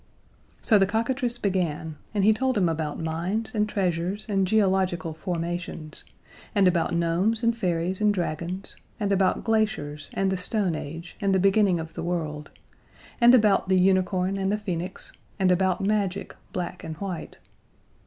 So the cockatrice began, and he told him about mines and treasures and geological formations, and about gnomes and fairies and dragons, and about glaciers and the Stone Age and the beginning of the world, and about the unicorn and the phoenix, and about Magic, black and white.